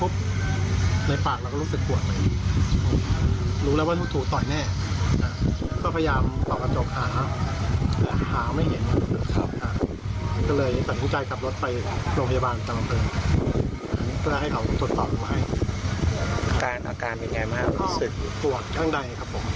คนหมอว่าเจอเหล็กในอยู่ที่ลิ้นไก่